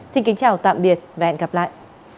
xin kính chào tạm biệt và hẹn gặp lại